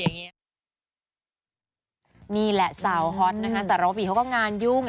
นี่แหละสาวฮอตสรวบอีกเขาก็งานยุ่ง